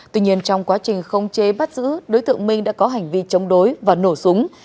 tuy nhiên trong quá trình không chế bắt giữ đối tượng minh đã có hành vi chống đối và nổ súng